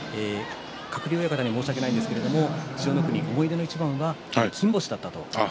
鶴竜親方には申し訳ないですが千代の国、思い出の一番は金星だったんですね。